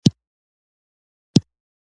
زړه د هیلو په ورځې روښانه وي.